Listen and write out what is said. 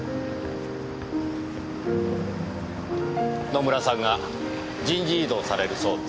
野村さんが人事異動されるそうです。